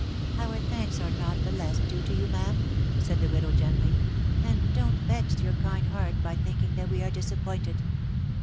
" Our thanks are not the less due to you, ma'am," said the widow gently, " and don't vex your kind heart by thinking that we are dis appointed.